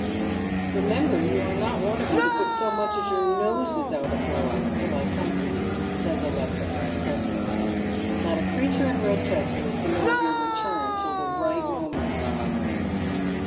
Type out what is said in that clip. " Remember you are not one of you to put so much as your Tioses out of doors till I come for you, says Alexis, impressively ;" not a creature in Redcastle is to know of your return till the right moment